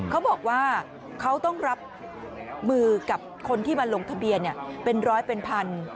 เขาบอกว่าเขาต้องรับมือกับคนที่มาลงทะเบียนเป็นร้อยเป็นพัน